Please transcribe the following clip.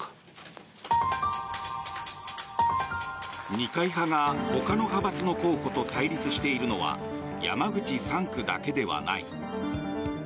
二階派がほかの派閥の候補と対立しているのは山口３区だけではない。